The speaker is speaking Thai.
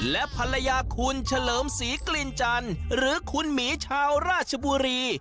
และภรรยาคุณเฉลิมศรีกลิ่นจันทร์หรือคุณหมีชาวราชบุรี